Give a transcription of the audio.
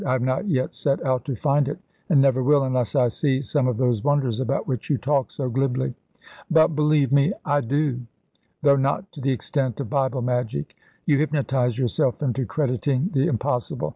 "I have not yet set out to find it, and never will, unless I see some of those wonders about which you talk so glibly." "But, believe me " "I do, though not to the extent of Bible magic. You hypnotise yourself into crediting the impossible.